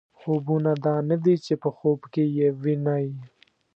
خوبونه دا نه دي چې په خوب کې یې وینئ.